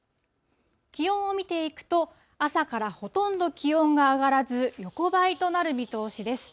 気温を見ていくと、朝からほとんど気温が上がらず、横ばいとなる見通しです。